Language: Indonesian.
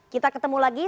kita ketemu lagi